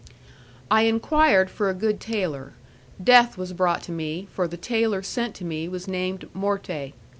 I enquired for a good tailor: death was brought to me, for the tailor sent to me was named Morte.